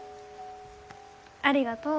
ありがとう。